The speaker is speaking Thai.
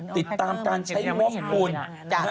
ติดตามการใช้งบคุณ